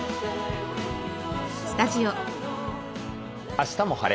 「あしたも晴れ！